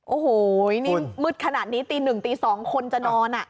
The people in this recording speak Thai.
โอ้โหนี่มืดขนาดนี้ตีหนึ่งตีสองคนจะนอนอ่ะ